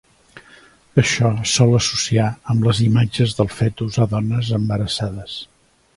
Això es sol associar amb les imatges del fetus a dones embarassades.